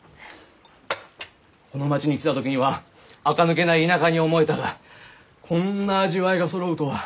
この町に来た時にはあか抜けない田舎に思えたがこんな味わいがそろうとは！